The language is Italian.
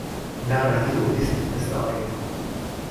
Narra di due distinte storie.